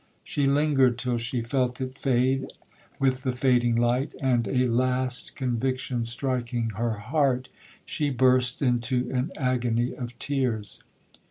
She lingered till she felt it fade with the fading light,—and a last conviction striking her heart, she burst into an agony of tears.